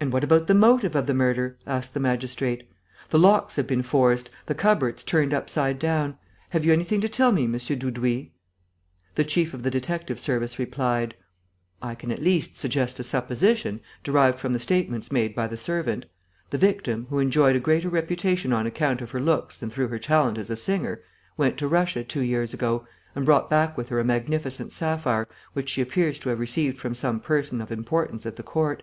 "And what about the motive of the murder?" asked the magistrate. "The locks have been forced, the cupboards turned upside down. Have you anything to tell me, M. Dudouis?" The chief of the detective service replied: "I can at least suggest a supposition, derived from the statements made by the servant. The victim, who enjoyed a greater reputation on account of her looks than through her talent as a singer, went to Russia, two years ago, and brought back with her a magnificent sapphire, which she appears to have received from some person of importance at the court.